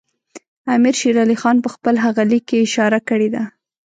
امیر شېر علي خان په خپل هغه لیک کې اشاره کړې ده.